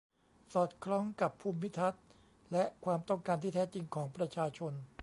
สอดคล้องกับภูมิทัศน์ และความต้องการที่แท้จริงของประชาชน